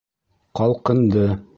Ҡалҡынды.